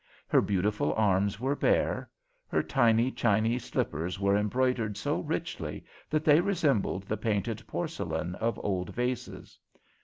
Her beautiful arms were bare. Her tiny Chinese slippers were embroidered so richly that they resembled the painted porcelain of old vases.